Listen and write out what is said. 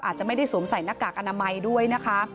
อาจจะไม่ได้สวมใส่หน้ากากอนามัยด้วยนะคะ